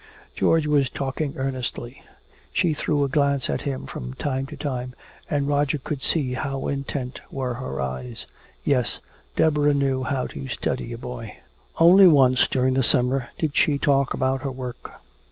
George was talking earnestly. She threw a glance at him from time to time, and Roger could see how intent were her eyes. Yes, Deborah knew how to study a boy. Only once during the summer did she talk about her work.